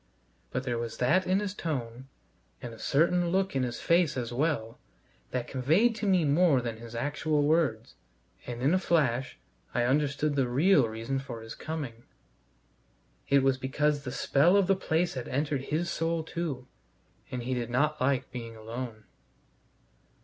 But there was that in his tone, and a certain look in his face as well, that conveyed to me more than his actual words, and in a flash I understood the real reason for his coming. It was because the spell of the place had entered his soul too, and he did not like being alone.